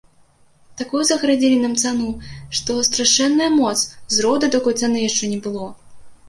Такую загарадзілі нам цану, што страшэнная моц, зроду такой цаны яшчэ не было.